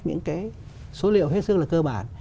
những cái số liệu hết sức là cơ bản